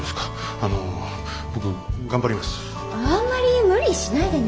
あんまり無理しないでね。